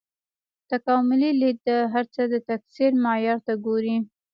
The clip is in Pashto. تکاملي لید د هر څه د تکثیر معیار ته ګوري.